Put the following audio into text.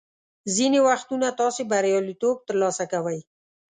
ځینې وختونه تاسو بریالیتوب ترلاسه کوئ.